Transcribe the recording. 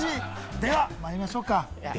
ではまいりましょうか。